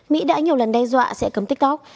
mỹ đã nhiều lần đe dọa sẽ cấm tiktok